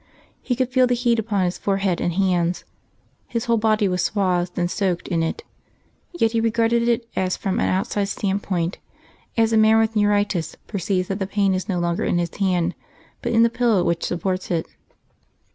He could feel the heat upon his forehead and hands, his whole body was swathed and soaked in it; yet he regarded it as from an outside standpoint, as a man with neuritis perceives that the pain is no longer in his hand but in the pillow which supports it.